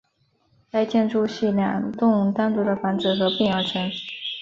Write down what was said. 该建筑系两栋单独的房子合并而成。